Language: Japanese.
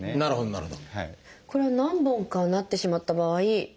なるほど。